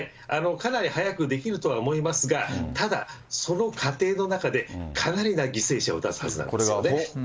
かなり早くできるとは思いますが、ただ、その過程の中で、かなりな犠牲者を出すはずなんですよね。